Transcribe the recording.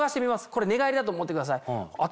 これ寝返りだと思ってください頭